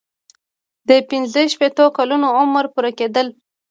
د پنځه شپیتو کلونو عمر پوره کیدل.